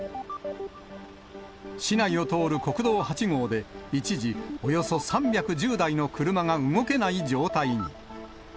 市内を通る国道８号で、一時、およそ３１０台の車が動けない状態に。